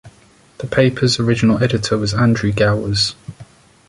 The paper's original editor was Andrew Gowers.